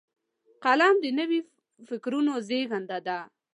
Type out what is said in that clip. قلم د نوي فکرونو زیږنده دی